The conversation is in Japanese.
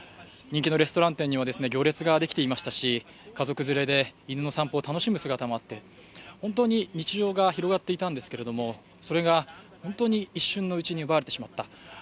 人気のレストラン店には行列ができていましたし家族連れで犬の散歩を楽しむ姿もあって、本当に日常が広がっていたんですけれども、それが一瞬のうちに奪われてしまった。